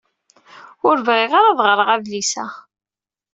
Ur bɣiɣ ad ɣreɣ adlis-a.